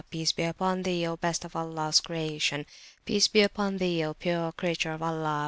Peace be upon Thee, O best of Allah's Creation! Peace be upon Thee, O pure Creature of Allah!